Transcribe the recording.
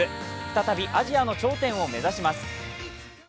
再びアジアの頂点を目指します。